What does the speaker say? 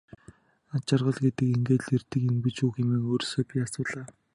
Аз жаргал гэдэг ингээд л ирдэг юм гэж үү хэмээн өөрөөсөө би асуулаа.